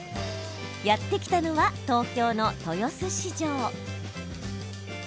やって来たのは東京の豊洲市場。